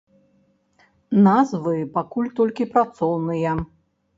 Назвы пакуль толькі працоўныя.